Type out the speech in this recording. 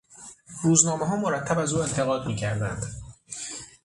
روزنامهها مرتب از او انتقاد میکردند.